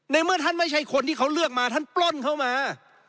เมื่อท่านไม่ใช่คนที่เขาเลือกมาท่านปล้นเข้ามา